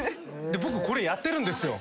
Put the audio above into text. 僕これやってるんですよ。